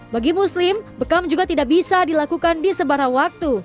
bagi muslim bekam juga tidak bisa dilakukan di sebarang waktu